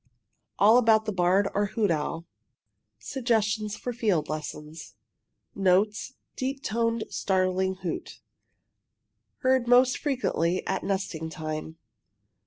ALL ABOUT THE BARRED OR HOOT OWL SUGGESTIONS FOR FIELD LESSONS Notes deep toned, startling hoot. Heard most frequently at nesting time.